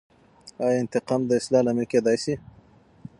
آیا انتقاد د اصلاح لامل کیدای سي؟